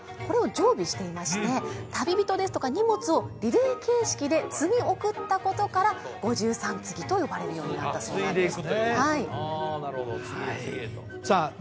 これを常備していまして旅人ですとか荷物をリレー形式で継ぎ送ったことから五十三次と呼ばれるようになったそうなんですあ